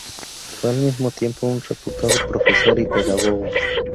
Fue al mismo tiempo un reputado profesor y pedagogo.